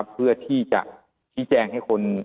เพื่อที่จะชี้แจงให้คน